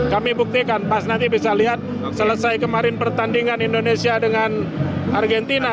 kami buktikan pas nanti bisa lihat selesai kemarin pertandingan indonesia dengan argentina